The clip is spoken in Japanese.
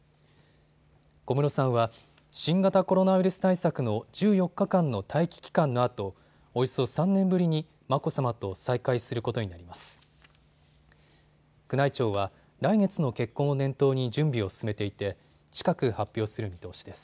小室さんは新型コロナウイルス対策の１４日間の待機期間のあとおよそ３年ぶりに眞子さまと再会することになります。